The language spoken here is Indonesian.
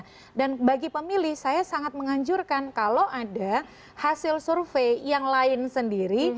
jadi bagi pemilih saya sangat menganjurkan kalau ada hasil survei yang lain sendiri